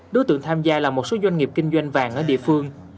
đối tượng tham gia là một số doanh nghiệp kinh doanh vàng ở địa phương